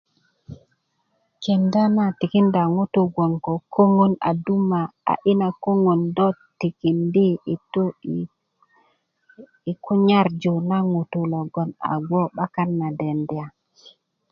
kenda na tikinda ŋuti bgwoŋ ko koŋon a duma a ina koŋon do tikindi i tu i kunyarju na ŋutu logon a bgwoŋ 'bakan na denda